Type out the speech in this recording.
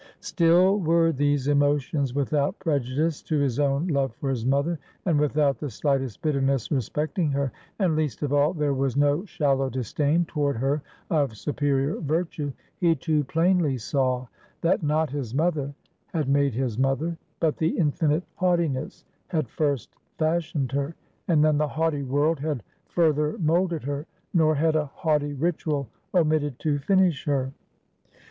Still, were these emotions without prejudice to his own love for his mother, and without the slightest bitterness respecting her; and, least of all, there was no shallow disdain toward her of superior virtue. He too plainly saw, that not his mother had made his mother; but the Infinite Haughtiness had first fashioned her; and then the haughty world had further molded her; nor had a haughty Ritual omitted to finish her.